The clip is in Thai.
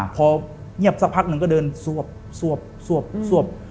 พอเงียบสักพักหนึ่งก็เดินสวบ